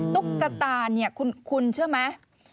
ตุ๊กกะตาคุณเชื่อไหม